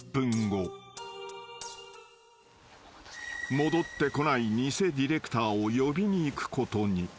［戻ってこない偽ディレクターを呼びに行くことに］